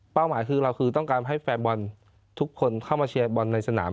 หมายคือเราคือต้องการให้แฟนบอลทุกคนเข้ามาเชียร์บอลในสนาม